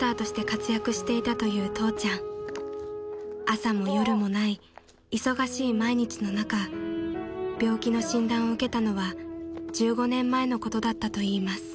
［朝も夜もない忙しい毎日の中病気の診断を受けたのは１５年前のことだったといいます］